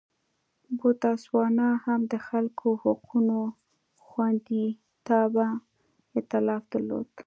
بوتسوانا هم د خلکو حقونو خوندیتابه اېتلاف درلود.